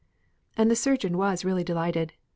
And the surgeon was really delighted.